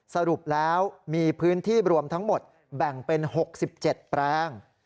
สรุปแล้วมีพื้นที่รวมทั้งหมดแบ่งเป็น๖๗แปลง